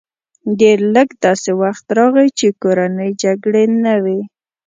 ډېر لږ داسې وخت راغی چې کورنۍ جګړې نه وې